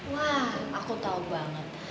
wah aku tahu banget